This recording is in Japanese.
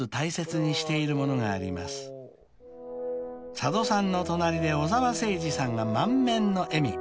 ［佐渡さんの隣で小澤征爾さんが満面の笑み］